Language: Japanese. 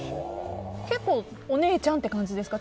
結構、お姉ちゃんっていう感じですか？